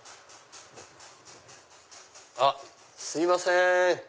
あっすいません！